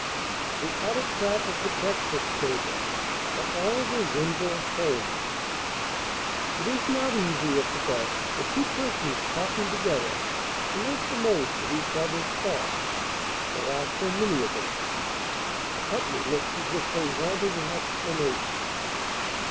THE AUTOCRAT OF THE BREAKFAST TABLE BY OLIVER WENDELL HOLMES It is not easy, at the best, for two persons talking together to make the most of each other's thoughts, there are so many of them. [The company looked as if they wanted an explanation.